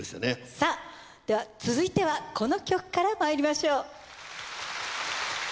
さぁでは続いてはこの曲からまいりましょう。